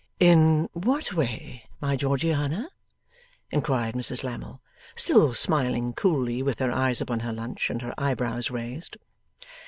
'In what way, my Georgiana?' inquired Mrs Lammle, still smiling coolly with her eyes upon her lunch, and her eyebrows raised.